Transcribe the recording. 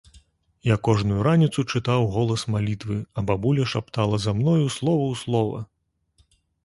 Я кожную раніцу чытаў уголас малітвы, а бабуля шаптала за мною слова ў слова.